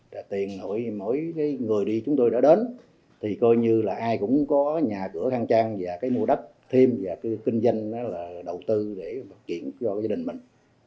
cái người đi chúng tôi đã đến thì coi như là ai cũng có nhà cửa khăn trang và cái mua đất thêm và cái kinh doanh đó là đầu tư để kiện cho gia đình mình